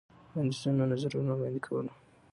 وړاندیزونو ، نظرونه وړاندې کولو.